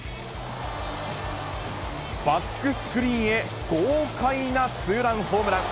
バックスクリーンへ、豪快なツーランホームラン。